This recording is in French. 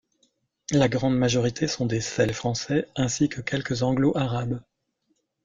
La grande majorité sont des Selles Français, ainsi que quelques Anglo-arabes.